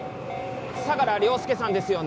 相良凌介さんですよね？